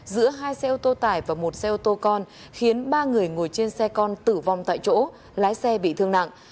giữa hai xe ô tô tải và một xe ô tô con khiến ba người ngồi trên xe con tử vong tại chỗ lái xe bị thương nặng